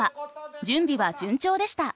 準備は順調でした。